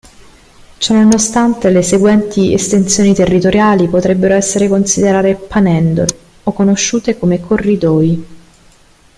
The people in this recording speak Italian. Ciononostante, le seguenti estensioni territoriali potrebbero essere considerate panhandle, o conosciute come "corridoi".